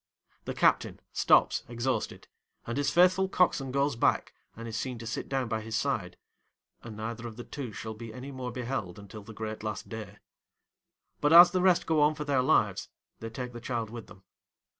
The captain stops exhausted, and his faithful coxswain goes back and is seen to sit down by his side, and neither of the two shall be any more beheld until the great last day; but, as the rest go on for their lives, they take the child with them.